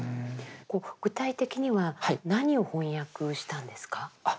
具体的には何を翻訳したんですか？